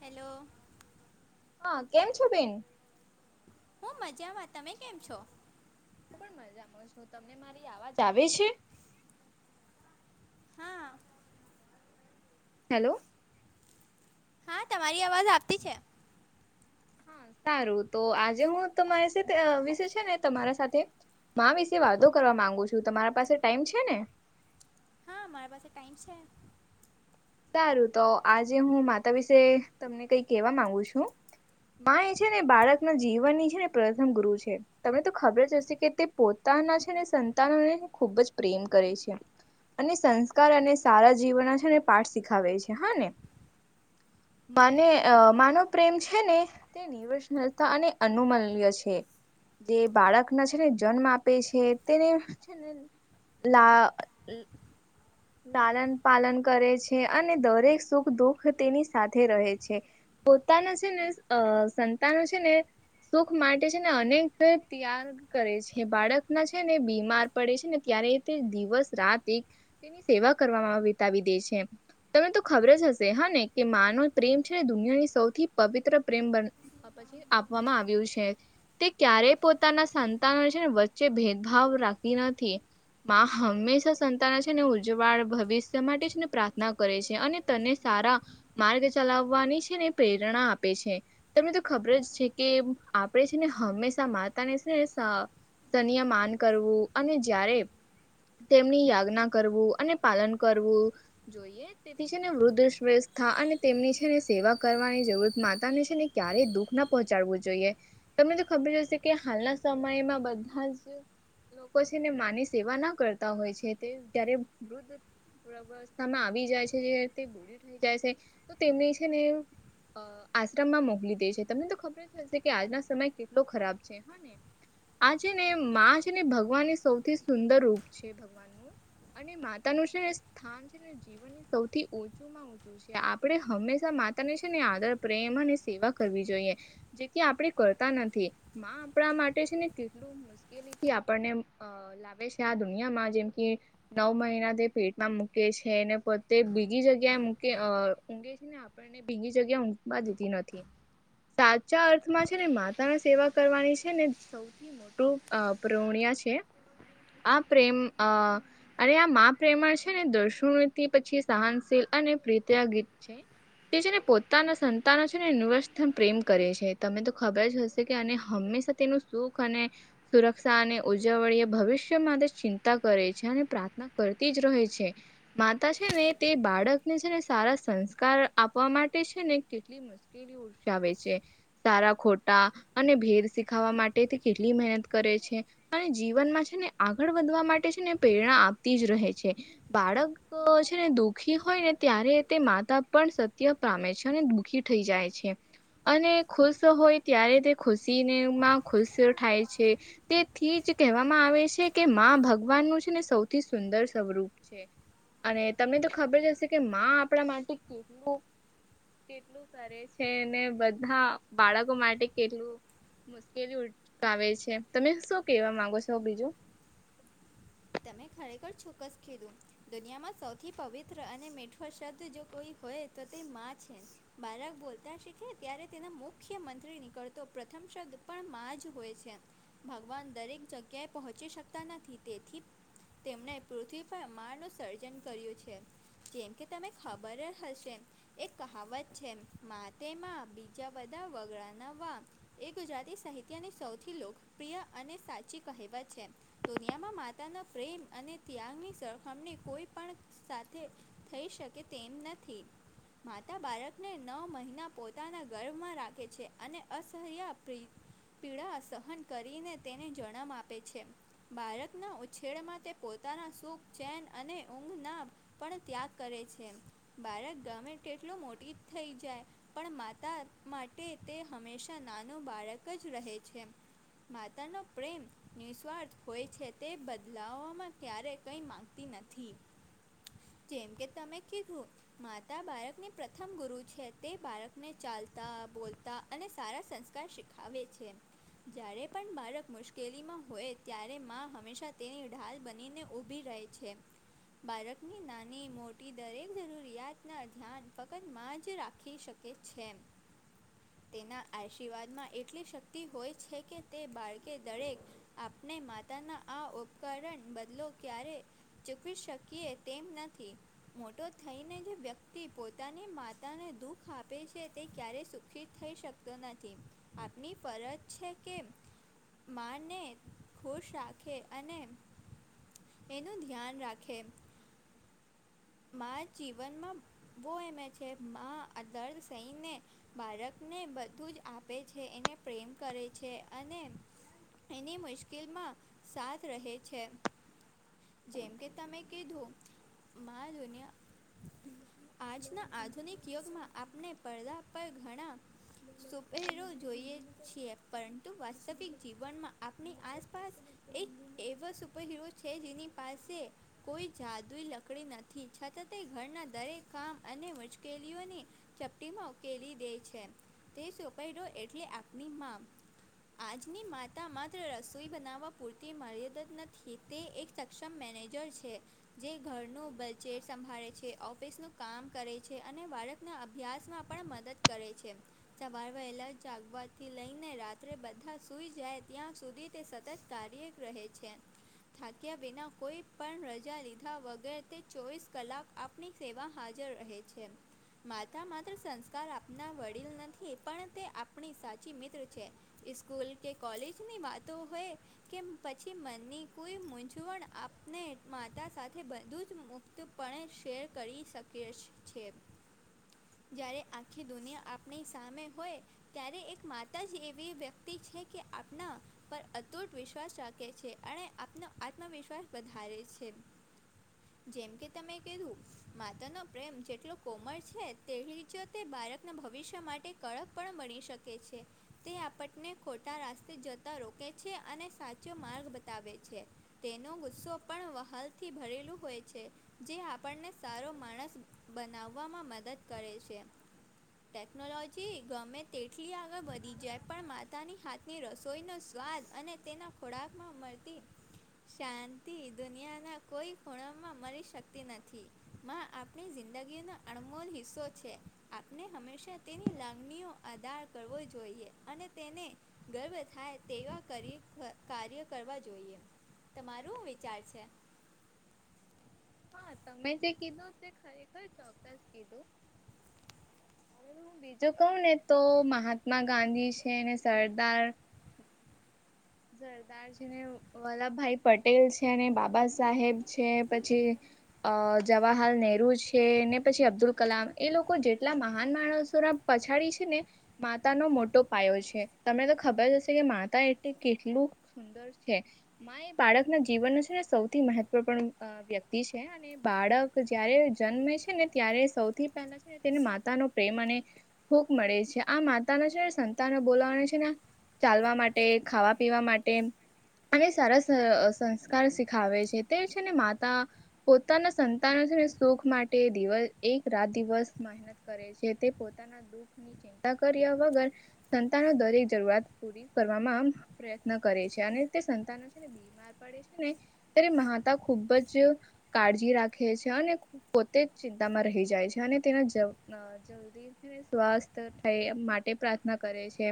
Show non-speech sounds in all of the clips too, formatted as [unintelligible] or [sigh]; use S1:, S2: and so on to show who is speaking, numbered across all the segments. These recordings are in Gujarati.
S1: હેલો.
S2: હા કેમ છો બેન?
S1: હું મજામાં તમે કેમ છો?
S2: હું પણ મજામાં છું તમને મારી અવાજ આવે છે.
S1: હા.
S2: હેલો.
S1: હા તમારી અવાજ આવતી છે.
S2: હા સારું તો આજે હું તમારી વિશે છે ને તમારા સાથે માં વિશે વાતો કરવા માંગુ છું તમારા પાસે ટાઈમ છે ને?
S1: હા મારી પાસે ટાઈમ છે.
S2: સારું તો આજે હું માતા વિશે તમને કઈ કેવા માંગુ છું. માં એ છે ને બાળક ના જીવનની છે ને પ્રથમ ગુરુ છે. તમને તો ખબર જ હશે કે તે પોતાના છે ને સંતાનોને ખૂબ જ પ્રેમ કરે છે. અને સંસ્કાર અને સારા જીવન છે ને પાઠ શીખાવે છે હા ને. મને
S1: હા
S2: માનો પ્રેમ છે ને [unintelligible] અને અનુમલ્ય છે. જે બાળકના છે ને જન્મ આપે છે તેને છે ને લા નાલન પાલન કરે છે અને દરેક સુખ દુઃખ તેની સાથે રહે છે. પોતાના છે ને અ સંતાનો છે ને સુખ માટે છે ને અનેક ત્યાર કરે છે બાળક ના છે ને બીમાર પડે છે ને ત્યારે તે દિવસ રાત એક તેની સેવા કરવામાં વિતાવી દે છે એમ. તમને તો ખબર જ હશે હા ને કે માં નો પ્રેમ છે ને દુનિયાની સૌથી પવિત્ર પ્રેમ બન પછી આપવામાં આવ્યું છે. તે ક્યારેય પોતાના સંતાનો વચ્ચે ભેદભાવ રાખતી નથી. માં હંમેશા સંતાન છે ને ઉજ્જવાળ ભવિષ્ય માટે છે ને પ્રાર્થના કરે છે અને તને સારા માર્ગ ચલાવવાની છે ને પ્રેરણા આપે છે. તમને તો ખબર જ છે કે આપણેે છે ને હંમેશા માતાને છે ને સન્ય માન કરવું અને જ્યારે તેમની યાજ્ઞા કરવું અને પાલન કરવું જોઈએ. ને વૃદ્ધ શ્રેષ્ઠા અને તેમની છે ને સેવા કરવાની જરૂર માતાને છે ને ક્યારેય દુઃખ ના પહોંચાડવું જોઈએ. તમને તો ખબર હશે કે હાલના સમયમાં બધા જ લોકો છે ને માની સેવા ના કરતા હોય છે તે જ્યારે વૃદ્ધ વસ્થામાં આવી જાય છે તે ગોળ થઈ જાય છે તો તેમની છે ને અ આશ્રમમાં મોકલી દે છે તમને તો ખબર જ હશે કે આજના સમય કેટલો ખરાબ છે હા ને આ છે ને માં છે ને ભગવાનને સૌથી સુંદર રૂપ છે ભગવાનનું. અને માતાનું છે ને સ્થાન છે ને જીવનને સૌથી ઉચુંમાં. આપણે હંમેશા માતા ને છે ને આદર પ્રેમ અને સેવા કરવી જોઈએ. જે કે આપણે કરતા નથી માં આપણા માટે છે ને કેટલું મુશ્કેલીથી આપણને લાવે છે આ દુનિયામાં જેમ કે નવ મહિના તે પેટમાં મૂકે છે ને પોતે બીજી જગ્યાએ મૂકે ઊગે છે. આપણને બીજી જગ્યા ઊંઘવા જીતી નથી. સાચા અર્થમાં છે ને માતાને સેવા કરવાની છે ને સૌ. થી મોટું પ્રોણિયા છે આ પ્રેમ અ. અરે આ પ્રેમણ છે ને દર્શનતિ પછી સહનશીલ અને પ્રીતિયા ગીત છે. તે છે ને પોતાના સંતાનો છે ને યુનિવર્સ પ્રેમ કરે છે તમે તો ખબર જ હશે. કે અને હંમેશા તેનું સુખ અને સુરક્ષા અને ઉજવણીય ભવિષ્ય માટે ચિંતા કરે છે અને પ્રાર્થના કરતી જ રહે છે. માતા છે ને તે બાળકને છે ને સારા સંસ્કાર આપવા માટે છે ને કેટલી મસ્ કેલી ઉર્સાવે છે. સારા ખોટા અને ભેર શીખાવા માટેથી કેટલી મહેનત કરે છે. અને જીવનમાં છે ને આગળ વધવા માટે છે ને પ્રેરણા આપતી જ રહે છે બાળક છેને દુઃખી હોય ને ત્યારે તે માતા પણ સત્ય પામે છે અને દુઃખી થઈ જાય છે. અને ખુશ હોય ત્યારે તે ખુશીનેમાં ખુશ થાય છે. તેથી જ કહેવામાં આવે છે કે માં ભગવાનનું છે ને સૌથી સુંદર સ્વરૂપ છે. અને તને તો ખબર જ હશે કે માં આપણા માટે કેટલું કેટલું કરે છે ને બધા બાળકો માટે કેટલું મુશ્કેલી ઉ આવેે છે તમે શું કેવા માંગો છો બીજું
S1: તમે ખરેખર ચોક્કસ કીધું. દુનિયામાં સૌથી પવિત્ર અને મીઠો શબ્દ જો કોઈ હોય તો તે માં છે. બાળક બોલતા શીખે ત્યારે તેનો મુખ્ય મંત્રી નીકળતો પ્રથમ શબ્દ પણ માં જ હોય છે. ભગવાન દરેક જગ્યાએ પહોંચી શકતા નથી તેથી. તેમણે પૃથ્વી પર માર ન સર્જન કર્યું છે. જેમ કે તમે ખબર જ હશે. એ કહાવત છે માટે તેમાં બીજા બધા વગડાના વા એ ગુજરાતી સાહિત્યની સૌથી લોકપ્રિય અને સાચી કહેવત છે દુનિયામાં માત્ર પોતાના પ્રેમ અને ત્યાગની સરખમણી કોઈ પણ સાથે થઈ શકે તેમ નથી. માતા બાળકને નવ મહિના પોતાના ગર્ભમાં રાખે છે અને અસહ્ય પ્રી પીડા સહન કરીને તેને જન્મ આપે છે બાળકના છેડમાં તે પોતાના સૂપ ચેન અને ઊંઘ નામ પણ ત્યાગ કરે છે બાળક ગમે તેટલ મોટી થઈ જાય. પણ માતા માટે તે હંમેશા નાનું બાળક જ રહે છે. માતાનો પ્રેમ નિસ્વાર્થ હોય છે તે કદી. દ લાવવામાં ક્યારેય કઈ મામાંગતી નથી જેમ કે તમે કીધું માતા બાળકની પ્રથમ ગુરુ છે તે બાળકને ચાલતા બોલતા અને સારા સંસ્કાર શીખ ખાવે છે જ્યારે પણ બાળક મુશ્કેલીમાં હોય ત્યારે માં હંમેશા. તેની ઢાલ બનીને ઊભી રહે છે. બાળકની નાની મોટી દરેક જરૂરિયાતના ધ્યાન ફક્ત માં જ રાખે. લખી શકે છે.
S2: [inaudible]
S1: તેના આશીર્વાદ માં એટલી શક્તિ હોય છે કે તે બાળકે દરેક આપણે માતાના આ ઉપકરણ બદલો ક્યારે. ચૂકવી શકીએ તેમ નથી. મોટો થઈને જે વ્યક્તિ પોતાની માતાને દુઃખ આપે છે તે ક્યારે સુખિત થઈ શકે. નથી આપની પરજ છે કે માને ખુશ રાખે અને એનું ધ્યાન રાખે. મા જીવનમાં બહુ એમ એ છે મા દર્દ સહીને બાળકને બધું જ આપે છે એને પ્રેમ કરે છે અને એની મુશ્કેલમાં સાથ રહે છે. જેમ કે તમે કીધો મા દુનિયા આજના આધુનિક યુગમાં આપણે પડદા પર ઘણા સુપહેરો જોઈએ છીએ પરંતુ વાસ્તવિક જીવનમાં આપણી આસપાસ એક એવા સુપર હરો છે જેની પાસે કોઈ જાદુ લખ પકડી નથી છતાં તે ઘરના દરેક કામ અને મુશ્કેલીઓને ચપટીમાં ઉકેલી દે છે તે સુપલ હિરો એટલે આપની માં. આજની માતા માત્ર રસોઈ બનાવવા પૂરતી મર્યાદત નથી. તે એક સક્ષમ મેનેજર છે જે ઘરનું બચેટ સંભાળે છે, ઓફિસનું કામ કરે છે, અને બાળકના અભ્યાસમાં પણ મદદ કરે છે. સવાર વહેલ જાગવાથી લઈને રાત્રે બધા સૂઈ જાય ત્યાં સુધી. તે સતત કાર્ય રહે છે થાક્યા વિના કોઈ પણ રજા લીધા વગર અગર તે ચોવીસ કલાક આપણી સેવા હાજર રહે છે. માતા માત્ર સંસ્કાર આપનાર વડીલ નથી પણ તે આપણી સાચી મિત્ર છે. સ્કૂલ કે કોલેજની વાતો હોય કે પછી મનની કોઈ મૂંઝવણ આપને માતા સાથે બ દૂધ મુક્ત પણ શેર કરી શકે છે. જ્યારે આખી દુનિયા આપણી સામે હોય. ત્યારે એક માતા જ એવી વ્યક્તિ છે કે આપણા પર અતૂટ વિશ્વાસ રાખે છે અને આપનો આત્મવિશ્વાસ વધારે છે. જેમ કે તમે કીધું. માતા ન પ્રેમ જેટલો કોમળ છે તેટલી જ તે બાળકના ભવિષ્ય માટે કડક પણ બની શકે શકે છે. તે આપટને ખોટા રાસ્તે જતા રોકે છે અને સાચો માર્ગ બતાવે છે. તેનો ગુસ્સો પણ વ્હલથી ભરેલું. હોય છે જે આપણને સારો માણસ બનાવવામાં મદદ કરે છે. ટેકનોલોજી ગમે તેટલી આગળ વધી જાય પણ માતાની હાથ ની રસોઈનો સ્વાદ અને તેના ખોરાકમાં મળતી. શાંતિ દુનિયાના કોઈ ખૂણમાં મળી શકતી નથી. માં આપણી જિંદગીનો અણમોલ હિસ્સો છે આપને હંમેશા તેની લાગણીઓ આદાર કરવો જોઈએ અને તેને ગર્વ થાય તેવા કરી કાર્ય કરવા જોઈએ. તમારું વિચાર છે.
S2: હા તમે જે કીધું તે ખરેખર ચોક્કસ કીધું
S1: [unintelligible]
S2: હવે હું બીજું કવ ને તો મહાત્મા ગાંધી છે ને સરદાર [inaudible] સરદાર છે ને વલ્લભભાઈ પટેલ છે ને બાબા સાહેબ છે પછી. અ જવાહરલાલ નેરુ છે ને પછી અબ્દુલ કલામ એ લોકો જેટલા મહાન માણસોના પછાડી છે ને માતા નો મોટો પાયો છે તમને તો ખબર હશે કે માતા એટલે કેટલું મા એ બાળક ના જીવન છે ને સૌથી મહત્વપૂર્ણ વ્યક્તિ છે અને બાળક જયારે જન્મે છે ને ત્યારે સૌથી પહેલા તેને માતાનો પ્રેમ અને ભૂખ મળે છે આ માતાનો છે ને સંતાનો બોલાવાની છે ને ચાલવા માટે, ખાવા પીવા માટે અને સારા સંસ્કાર શીખાવે છે તે છે ને માતા પોતાના સંતાનો છે ને સુખ માટે દિવસ એક રાત દિવસ કરે છે તે પોતાના દુઃખ ની ચિંતા કર્યા વગર સંતાનો દરેક જરૂરિયાત પૂરી કરવામાં પ્રયત્ન કરે છે અને તે સંનો છેને પાડે છે ને ત્યારે માતા ખુબ જ કાળજી રાખે છે અને પોતે જ ચિંતામાં રહી જાય છે અને તેના જ સ્સ્થ થાય એ માટે પ્રાર્થના કરે છે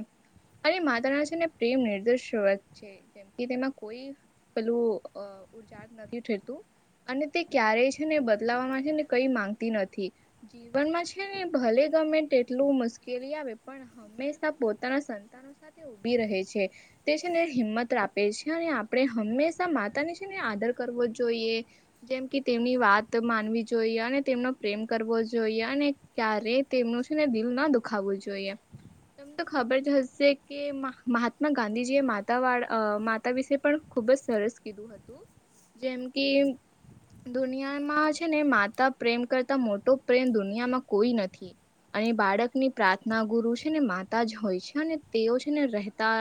S2: અનેરે માથા ના છેને પ્રેમ નિર્દર્શ વા છે જેમ કે તેમાં કોઈ પેલું ઉર્જા નથી ઠેરતું અને તે ક્યારેય છે ને બદલામાં છે ને કઈ માંગતી નથી જીવનમાં છે ને ભલે ગમે તેટલું મુશ્કેલી આવે પણ હંમેશા પોતાના સંતાનો ઉભી રહે છે તે છેને હિંમત આપે છે અને આપણે હંમેશા માતા ને છે ને આદર કરવો જ જોઈએ જેમ કે તેમની વાત માનવી જોઈએ અને તેમનો પ્રેમ કરવો જોઈએ અને ક્યારે તેમનું શું ને દિલ ના દુખાવવું જોઈએ તમને તો ખબર જ હશે કે મહાત્મા ગાંધીજી એ માતા વાળ માતા વિશે પણ ખુબ જ સરસ કીધું હતું જેમ કે દુનિયામાં છે ને માતા પ્રેમ કરતા મોટો પ્રેમ દુનિયામાં કોઈ નથી અને બાળકની પ્રાર્થના ગુરુ છે ને માતા જ હોય છે અને તેઓ છે ને રહેતા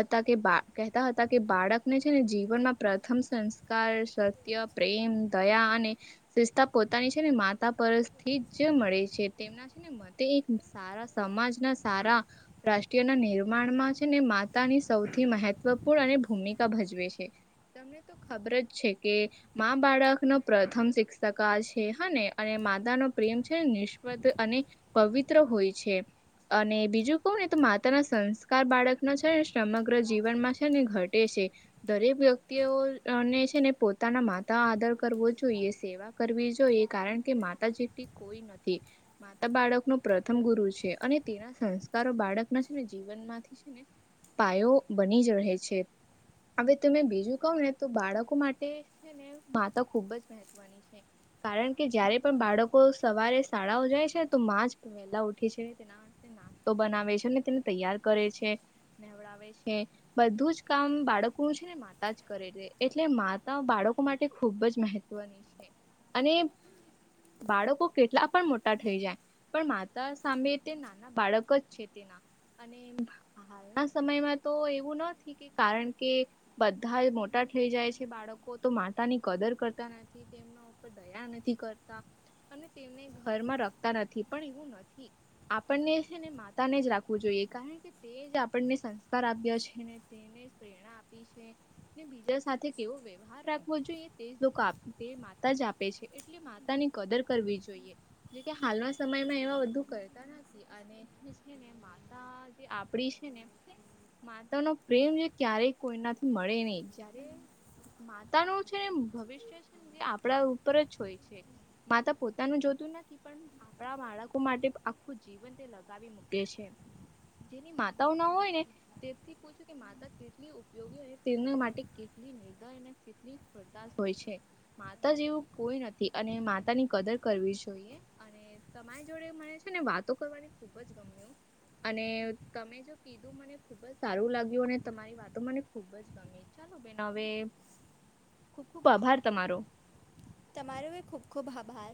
S2: હતા કે બા કહેતા હતા કે બાળકને છે ને જીવનમાં પ્રથમ સંસ્કાર સત્ય પ્રેમ દયા અને શિષતા પોતાની છે ને માતા પરસ થી જ મળે છે તેમના ને મ એક સારા સમાજના સારા રાષ્ટ્રીય ના નિર્માણમાં છે ને માતાની સૌથી મહત્વપૂર્ણ અને ભૂમિકા ભજવે છે તમને તો ખબર જ છે કે બાળક નો પ્રથમ શિક્ષકા છે હને અને માતા નો પ્રેમ છે નિષ્પ અને પવિત્ર હોય છે અને બીજું કવ ને તો માતા ના સંસ્કાર બાળકનો છે ને સમગ્ર જીવનમાં છે ને ઘટે છે દરેક વ્યક્તિઓને છે ને પોતાના મા આદર કરવો જોઈએ સેવા કરવી જોઈએ કારણ કે માતા જેટલી કોઈ નથી માતા બાળક ન પ્રથમ ગુરુ છે અને તેના સંસ્કારો બાળક ના છે ને જીવન માંથી છે ને પાયો બની જ રહે છે હવે તમે બીજું કહો ને તો બાળકો માટે છે ને માતા ખુબ જ મહત્વની કારણ કે જયારે પણ બાળકો સવારે શાળાઓ જાય છે તો માં જ લા ઉઠી છે તેના નાસ્તો બનાવે છે અને તેને તૈયાર કરે છે ડ છે બધું જ કામ બાળકો ન છે ને માતા જ કરે છે એટલે માતા બાળકો માટે તે ખૂબ જ મહત્વની છે અને બાળકો કેટલા પણ મોટા થઈ જાય પણ માતા સામે તે ના બાળક જ છે તેના અને હાલના સમયમાં તો એવું નથી કારણ કે બધા મોટા થઈ જાય છે બાળકો તો તા ની કદર કરતા નથી તેમના ઉપર દયા નથી કરતા તેમને ઘરમાં રખતા નથી પણ એવું નથી આપણને છે ને માતા ને જ રાખવું જોઈએ કારણ કે તે જ આપણને સંસ્કાર આપ્યા છે ને તેને પ્રેરણા આપ બીજા સાથે કેવો વ્યવહાર જોઈએ તેજ લોકો તે માતા જ આપે છે એટલે માતા ની કદર કરવી જોઈએ જે કે હાલના સમયમાં એવા બધું કરતા નથી, અને ને માતા જે આપડી છે ને માતા નો પ્રેમ જે ક્યારેય કોઈનાથી મળે નહી જ્યારે પોતાનું છે ને ભવિષ્ય છે ને એ આપણા ઉપર જ હોય છે માતા પોતાનું જોતું નથી, પણ આપણા બાળકો માટે આખું જીવન [unintelligible] [unintelligible] મૂકે છે, જેની માતાઓ ના હોય ને, તેનથી પૂછો કે માતા કેટલી ઉપયોગી, અને તેના માટે કેટલી નિર્દય, અને કેટલી [unintelligible] હોય છે. માતા જેવું કોઈ નથી, અને માતા ની કદર કરવી જોઈએ, અને [unintelligible] તમારી જોડે મને છે ને વાતો કરવાની ખુબ જ ગમ્યું, અને તમે જો [inaudible] મને ખુબ જ સારું લાગ્યું અને તમારી વાતો મને ખુબ જ ગમી. ચાલો બેન હવે ખુબ-ખુબ આભાર તમારો.
S1: તમારો એય ખૂબ-ખૂબ આભાર.